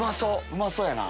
うまそうやな。